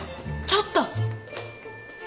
ちょっと！